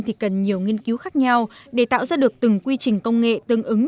thì cần nhiều nghiên cứu khác nhau để tạo ra được từng quy trình công nghệ tương ứng